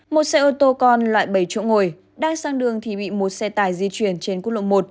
một xe ô tô con loại bảy chỗ ngồi đang sang đường thì bị một xe tải di chuyển trên quốc lộ một